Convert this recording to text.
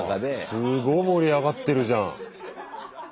すごい盛り上がってるじゃん。